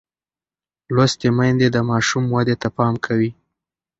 لوستې میندې د ماشوم ودې ته پام کوي.